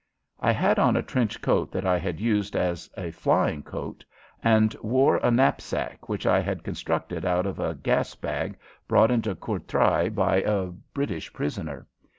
I had on a trench coat that I had used as a flying coat and wore a knapsack which I had constructed out of a gas bag brought into Courtrai by a British prisoner.